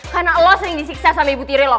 karena lo sering disiksa sama ibu tire loh